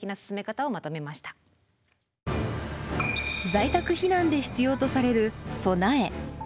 在宅避難で必要とされる備え。